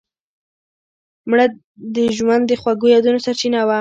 مړه د ژوند د خوږو یادونو سرچینه وه